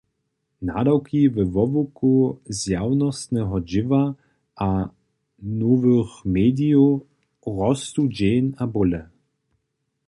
Nadawki we wobłuku zjawnostneho dźěła a nowych medijow rostu dźeń a bóle.